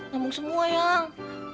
nyambung semua yang